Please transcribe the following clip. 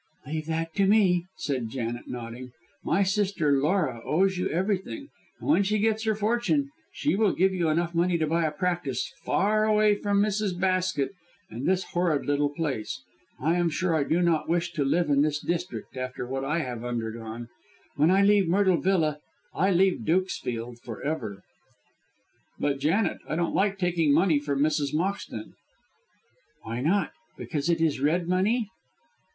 "Leave that to me," said Janet, nodding. "My sister Laura owes you everything, and when she gets her fortune she will give you enough money to buy a practice far away from Mrs. Basket and this horrid little place. I am sure I do not wish to live in this district after what I have undergone. When I leave Myrtle Villa, I leave Dukesfield for ever." "But, Janet, I don't like taking money from Mrs. Moxton." "Why not? Because it is red money?"